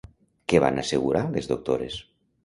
Què van assegurar les doctores?